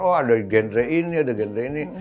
oh ada genre ini ada genre ini